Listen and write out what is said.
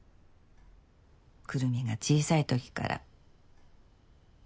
くるみが小さいときから。